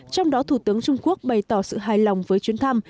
trong đó thủ tướng trung quốc bày tỏ sự hài lòng với chuyến thăm